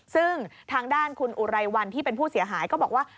ซึ่งทางด้านคุณอุไรวันที่เป็นผู้เสียหายก็บอกว่า